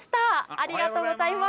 ありがとうございます。